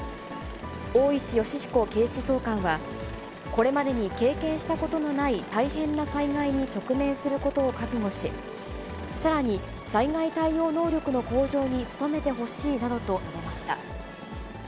大石吉彦警視総監は、これまでに経験したことのない、大変な災害に直面することを覚悟し、さらに、災害対応能力の向上に努めてほしいなどと述べました。